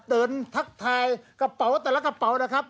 ทักทายกระเป๋าแต่ละกระเป๋านะครับ